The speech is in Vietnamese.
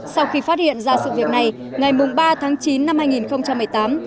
sau khi phát hiện ra sự việc này ngày ba tháng chín năm hai nghìn một mươi tám